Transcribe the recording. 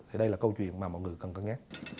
thì đây là câu chuyện mà mọi người cần cân nhắc